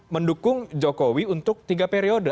mendukung jokowi untuk tiga periode